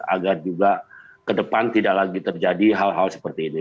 agar juga ke depan tidak lagi terjadi hal hal seperti ini